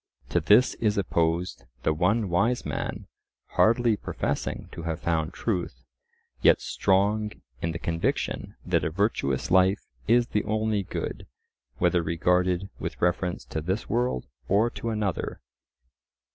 To this is opposed the one wise man hardly professing to have found truth, yet strong in the conviction that a virtuous life is the only good, whether regarded with reference to this world or to another.